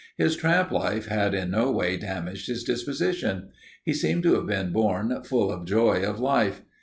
His tramp life had in no way damaged his disposition; he seemed to have been born full of the joy of life.